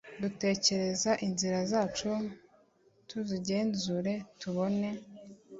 Dutekereze inzira zacu tuzigenzure Tubone